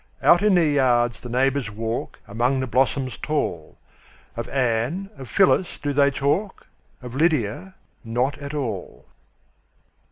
Out in their yards the neighbors walk, Among the blossoms tall; Of Anne, of Phyllis, do they talk, Of Lydia not at all.